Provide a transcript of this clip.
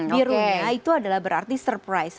bironya itu adalah berarti surprise